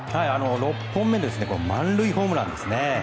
６本目の満塁ホームランですね。